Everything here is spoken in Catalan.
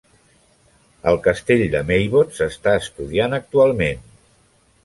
El castell de Meybod s'està estudiant actualment.